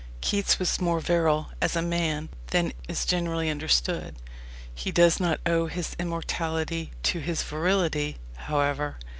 Keats was more virile as a man than is generally understood. He does not owe his immortality to his virility, however.